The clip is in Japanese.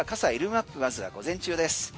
マップまずは午前中です。